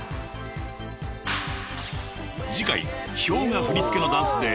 ［ＨｙＯｇＡ振り付けのダンスで］